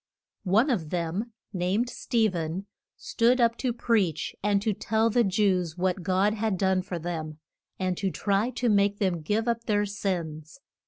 One of them, named Ste phen, stood up to preach and to tell the Jews what God had done for them, and to try to make them give up their sins.